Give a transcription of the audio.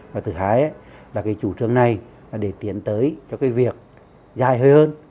và thứ hai là cái chủ trương này là để tiến tới cho cái việc dài hơi hơn